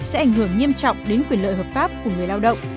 sẽ ảnh hưởng nghiêm trọng đến quyền lợi hợp pháp của người lao động